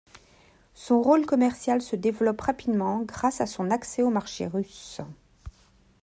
Son rôle commercial se développe rapidement grâce à son accès au marché russe.